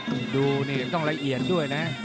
แชมป์นี้ดูต้องต้องละเอียดด้วยนะ